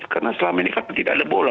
karena selama ini tidak ada bola